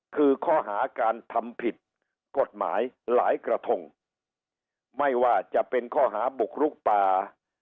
คือข้อหาการทำผิดกฎหมายหลายกระทงไม่ว่าจะเป็นข้อหาบุกรุกป่า